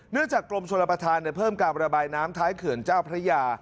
จากกรมชนประธานเพิ่มการระบายน้ำท้ายเขื่อนเจ้าพระยา